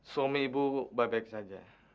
suami ibu baik baik saja